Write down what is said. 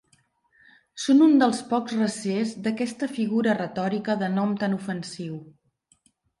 Són un dels pocs recers d'aquesta figura retòrica de nom tan ofensiu.